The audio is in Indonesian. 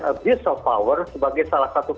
abuse of power sebagai salah satu